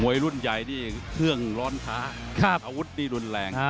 โมยรุ่นใหญ่นี้เครื่องร้อนช้า